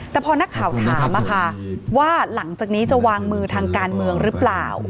แต่พอนักข่าวถามว่าหลังจากนี้จะวางมือทางการเมืองหรือเปล่า